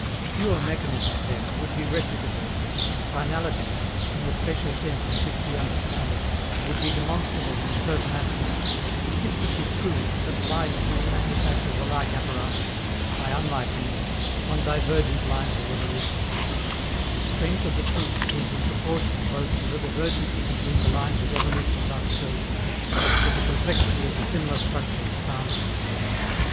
_Pure mechanism, then, would be refutable, and finality, in the special sense in which we understand it, would be demonstrable in a certain aspect, if it could be proved that life may manufacture the like apparatus, by unlike means, on divergent lines of evolution; and the strength of the proof would be proportional both to the divergency between the lines of evolution thus chosen and to the complexity of the similar structures found in them.